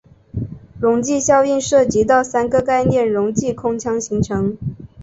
溶剂效应涉及到三个概念溶剂空腔形成。